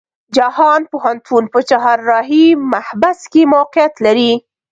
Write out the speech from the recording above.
جهان پوهنتون په چهارراهی محبس کې موقيعت لري.